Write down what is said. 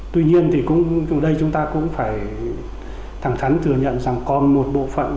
tuy nhiên chúng ta cũng phải thẳng thắn thừa nhận rằng còn một bộ phận